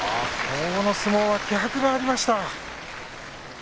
この相撲は気迫がありました。